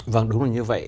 vâng đúng là như vậy